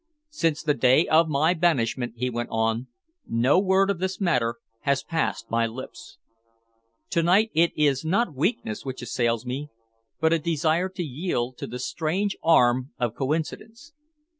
"Since the day of my banishment," he went on, "no word of this matter has passed my lips. To night it is not weakness which assails me, but a desire to yield to the strange arm of coincidence.